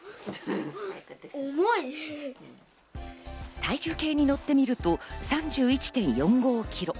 体重計に乗ってみると、３１．４５ｋｇ。